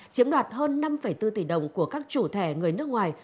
chiếm đoạt hơn năm bốn tỷ đồng của các chủ thẻ người nước ngoài